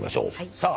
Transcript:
さあ。